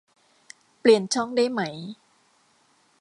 เปลี่ยนช่องได้ไหม